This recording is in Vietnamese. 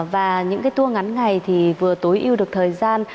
và những cái tour ngắn ngày thì vừa tối ưu được thời gian